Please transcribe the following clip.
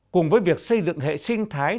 cùng với việc xây dựng hệ sinh thái